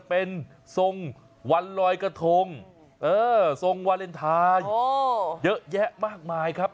เป็นทรงวันลอยกระทงทรงวาเลนไทยเยอะแยะมากมายครับ